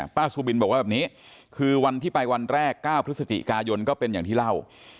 ซูบินบอกว่าแบบนี้คือวันที่ไปวันแรก๙พฤศจิกายนก็เป็นอย่างที่เล่า